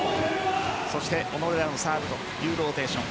小野寺のサーブというローテーション。